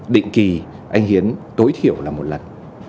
định kỳ anh hiến tối thiểu là một lần